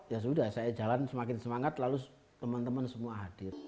ya sudah saya jalan semakin semangat lalu teman teman semua hadir